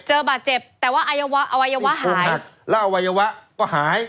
เจอบาดเจ็บแต่ว่าอัยอวัยวะหายแล้วอวัยวะก็หาย